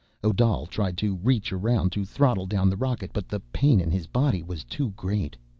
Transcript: Odal tried to reach around to throttle down the rocket, but the pain in his body was too great.